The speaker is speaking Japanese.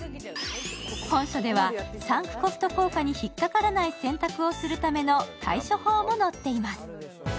本書ではサンクコスト効果に引っかからないようにするための対処法も載っています。